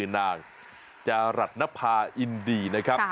นางจรัสนภาอินดีนะครับ